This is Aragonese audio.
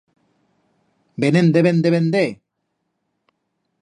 Ben en deben de vender!